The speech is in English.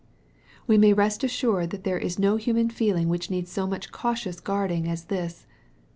We may rest assured that there is no human feeling which needs so much cautious guarding as this.